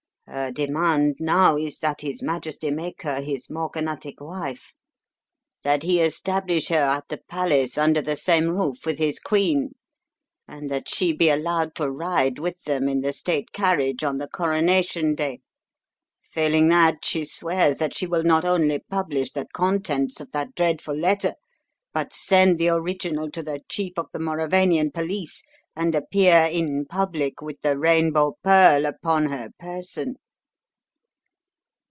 Her demand now is that his Majesty make her his morganatic wife; that he establish her at the palace under the same roof with his queen; and that she be allowed to ride with them in the state carriage on the coronation day. Failing that, she swears that she will not only publish the contents of that dreadful letter, but send the original to the chief of the Mauravanian police and appear in public with the Rainbow Pearl upon her person."